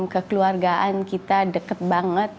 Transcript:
kekeluargaan kita deket banget